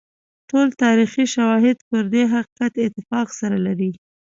ټول تاریخي شواهد پر دې حقیقت اتفاق سره لري.